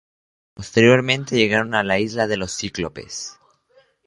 Posteriormente, llegaron a la isla de los cíclopes.